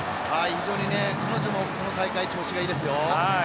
非常に彼女もこの大会調子がいいですよ。